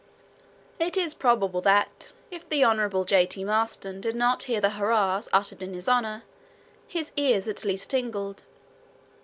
It is probable that, if the Hon. J. T. Maston did not hear the hurrahs uttered in his honor, his ears at least tingled.